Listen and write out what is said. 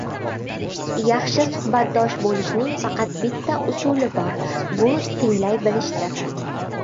Yaxshi suhbatdosh bo‘lishning faqat bitta usuli bor, bu tinglay bilishdir.